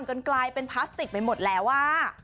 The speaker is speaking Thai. กลายเป็นพลาสติกไปหมดแล้วว่า